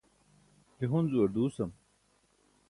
je Hunzu-ar duusam